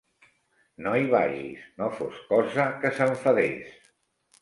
No hi vagis, no fos cosa que s'enfadés.